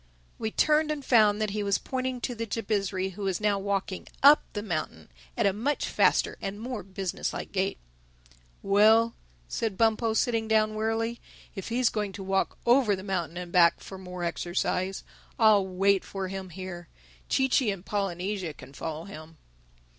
We turned and found that he was pointing to the Jabizri, who was now walking up the mountain at a much faster and more business like gait. "Well," said Bumpo sitting down wearily; "if he is going to walk over the mountain and back, for more exercise, I'll wait for him here. Chee Chee and Polynesia can follow him."